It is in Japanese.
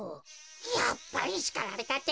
やっぱりしかられたってか。